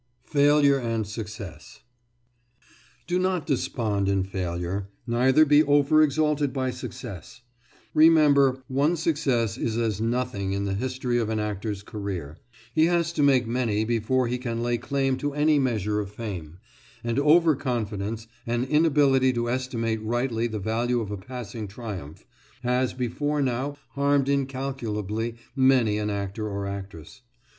FAILURE AND SUCCESS Do not despond in failure, neither be over exalted by success. Remember one success is as nothing in the history of an actor's career; he has to make many before he can lay claim to any measure of fame; and over confidence, an inability to estimate rightly the value of a passing triumph, has before now harmed incalculably many an actor or actress.